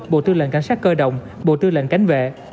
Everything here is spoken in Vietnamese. bộ tư lệnh cảnh sát cơ động bộ tư lệnh cảnh vệ